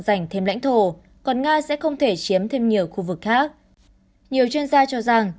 giành thêm lãnh thổ còn nga sẽ không thể chiếm thêm nhiều khu vực khác nhiều chuyên gia cho rằng